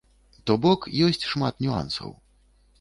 То бок ёсць шмат нюансаў.